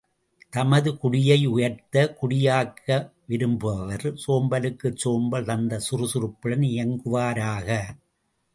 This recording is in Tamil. தமது குடியை உயர்ந்த குடியாக்க விரும்புபவர், சோம்பலுக்குச் சோம்பல் தந்து சுறுசுறுப்புடன் இயங்குவாராக!